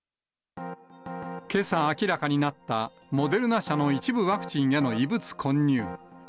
けさ明らかになった、モデルナ社の一部ワクチンへの異物混入。